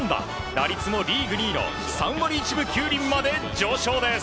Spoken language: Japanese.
打率もリーグ２位の３割１分９厘まで上昇です。